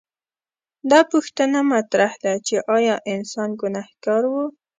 دا پوښتنه مطرح ده چې ایا انسان ګنهګار و؟